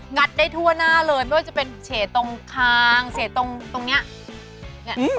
ัดได้ทั่วหน้าเลยไม่ว่าจะเป็นเฉดตรงคางเฉดตรงตรงเนี้ย